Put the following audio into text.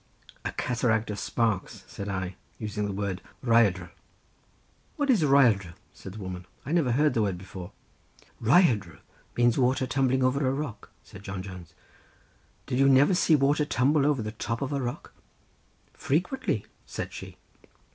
"A cataract of sparks!" said I, using the word Rhaiadr. "What is Rhaiadr?" said the woman; "I never heard the word before." "Rhaiadr means water tumbling over a rock," said John Jones—"did you never see water tumble over the top of a rock?" "Frequently," said she.